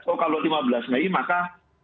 oh kalau lima belas mei maka